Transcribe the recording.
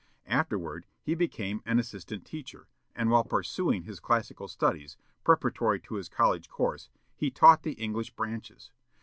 "Afterward, he became an assistant teacher, and while pursuing his classical studies, preparatory to his college course, he taught the English branches.